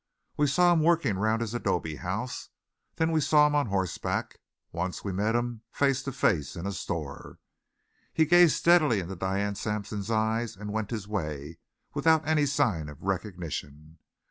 We saw him working round his adobe house; then we saw him on horseback. Once we met him face to face in a store. He gazed steadily into Diane Sampson's eyes and went his way without any sign of recognition.